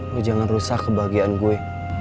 gue jangan rusak kebahagiaan gue